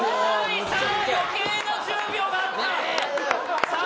さあ余計な１０秒があったさあ